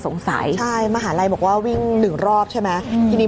สงสัยใช่มหาวิทยาลัยบอกว่าวิ่งหนึ่งรอบใช่ไหมอืมทีนี้